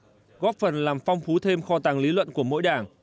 góp phần làm phong phú thêm kho tàng lý luận của mỗi đảng